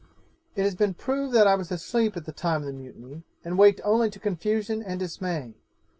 'It has been proved that I was asleep at the time of the mutiny, and waked only to confusion and dismay.